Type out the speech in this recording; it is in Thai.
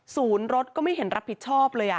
ศูนย์รถก็ไม่เห็นรับผิดชอบเลยอ่ะ